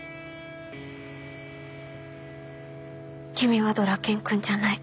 君はドラケン君じゃない。